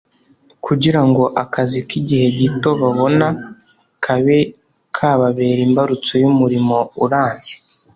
kugira ngo akazi k’igihe gito babona kabe kababera imbarutso y’umurimo urambye